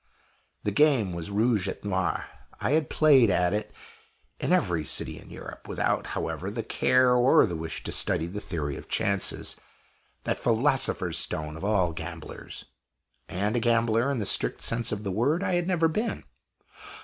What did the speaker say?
The game was Rouge et Noir. I had played at it in every city in Europe, without, however, the care or the wish to study the Theory of Chances that philosopher's stone of all gamblers! And a gambler, in the strict sense of the word, I had never been.